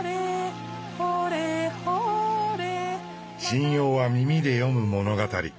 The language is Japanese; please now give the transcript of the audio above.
神謡は耳で読む物語。